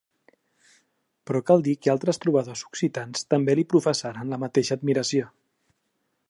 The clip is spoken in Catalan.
Però cal dir que altres trobadors occitans també li professaren la mateixa admiració.